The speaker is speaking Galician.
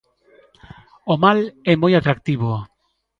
O mal é moi atractivo.